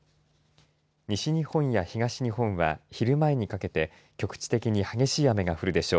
西日本や東日本は昼前にかけて局地的に激しい雨が降るでしょう。